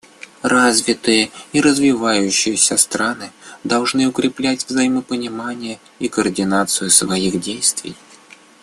Развитые и развивающиеся страны должны укреплять взаимопонимание и координацию своих действий.